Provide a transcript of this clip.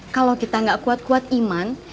kalau kita nggak kuat kuat iman